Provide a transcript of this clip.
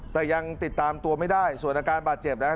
แต่ยังติดตามตัวไม่ได้ส่วนอาการบาดเจ็บนะ